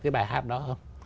cái bài hát đó không